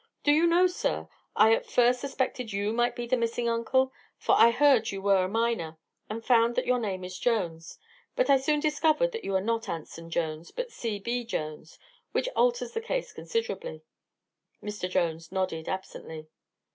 Do you know, sir, I at first suspected you might be the missing uncle? For I heard you were a miner and found that your name is Jones. But I soon discovered you are not Anson Jones, but C.B. Jones which alters the case considerably." Mr. Jones nodded absently.